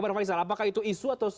pak faisal apakah itu isu